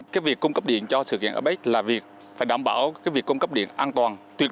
cái việc cung cấp điện cho sự kiện apec là việc phải đảm bảo cái việc cung cấp điện an toàn tuyệt